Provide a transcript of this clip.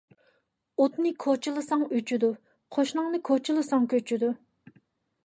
ئوتنى كوچىلىساڭ ئۆچىدۇ، قوشناڭنى كوچىلىساڭ كۆچىدۇ.